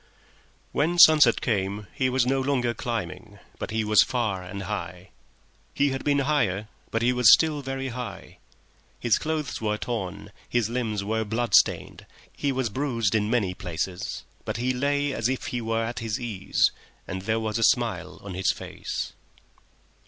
When sunset came he was not longer climbing, but he was far and high. His clothes were torn, his limbs were bloodstained, he was bruised in many places, but he lay as if he were at his ease, and there was a smile on his face.